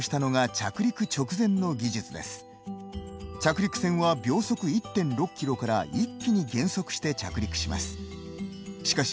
着陸船は、秒速１．６キロから一気に減速して着陸します。